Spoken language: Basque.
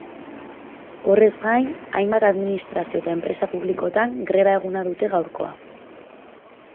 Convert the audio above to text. Horrez gain, hainbat administrazio eta enpresa publikotan greba eguna dute gaurkoa.